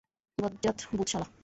বজ্জাত ভুত শালা।